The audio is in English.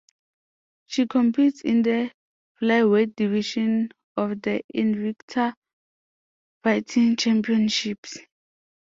She competes in the flyweight division of the Invicta Fighting Championships.